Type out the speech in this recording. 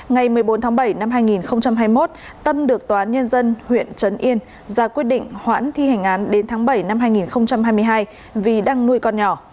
ngày một mươi bốn tháng bảy năm hai nghìn hai mươi một tâm được tòa án nhân dân huyện trấn yên ra quyết định hoãn thi hành án đến tháng bảy năm hai nghìn hai mươi hai vì đang nuôi con nhỏ